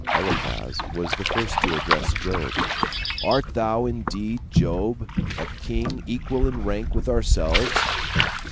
Eliphaz was the first to address Job, "Art thou indeed Job, a king equal in rank with ourselves?"